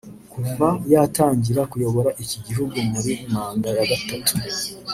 Kuva yatangira kuyobora iki gihugu muri manda ya gatatu